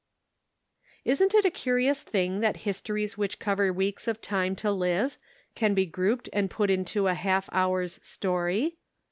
Isn't it a curious thing that histories which cover weeks of time to live can be grouped and put into a half hour's story?